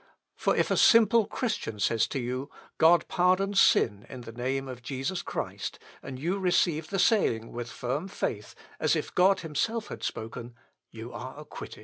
For if a simple Christian says to you, 'God pardons sin in the name of Jesus Christ,' and you receive the saying with firm faith, as if God himself had spoken, you are acquitted.